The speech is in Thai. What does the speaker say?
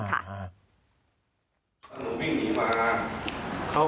แล้วหนูกลิ่งนี้มา